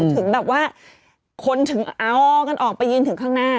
ถึงแบบว่าคนถึงเอากันออกไปยืนถึงข้างหน้า